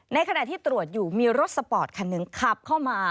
ในขณะที่ตรวจอยู่มีรถสปอร์ตคันหนึ่งขับเข้ามา